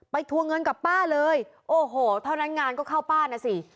ทวงเงินกับป้าเลยโอ้โหเท่านั้นงานก็เข้าป้านะสิ